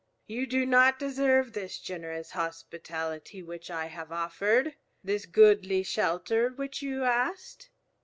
You do not deserve this generous hospitality which I have offered, this goodly shelter which you asked.